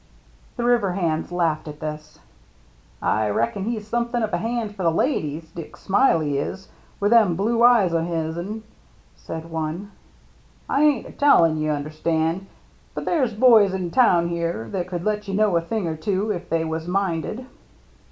The river hands laughed at this. DICK AND HIS MERRT ANNE 21 "I reckon he's somethin' of a hand for the ladies, Dick Smiley is, with them blue eyes o' his'n," said one. "I ain't a tellin', you understand, but there's boys in town here that could let you know a thing or two if they was minded."